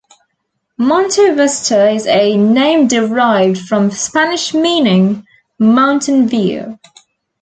Monte Vista is a name derived from Spanish meaning "mountain view".